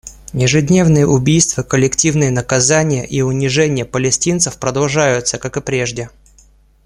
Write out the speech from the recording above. Ежедневные убийства, коллективные наказания и унижение палестинцев продолжаются, как и прежде.